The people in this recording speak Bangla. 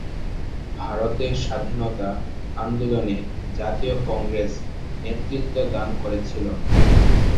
ভারতের স্বাধীনতা আন্দোলনে জাতীয় কংগ্রেস নেতৃত্ব দান করেছিল।